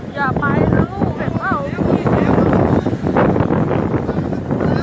อย่าไปนะลูกเห็นเปล่า